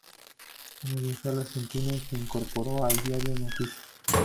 Regresó a la Argentina y se incorporó al diario Noticias.